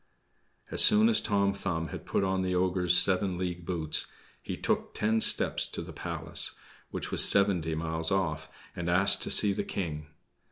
As soon as Tom Thumb had put on the ogre's seven league boots, he took ten steps to the Palace, which was seventy miles off, and asked to see the King.